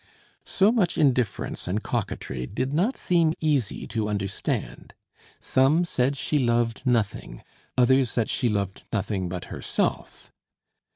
So much indifference and coquetry did not seem easy to understand. Some said she loved nothing, others that she loved nothing but herself.